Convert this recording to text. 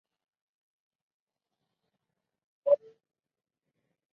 Coates Nació en Baltimore, Maryland.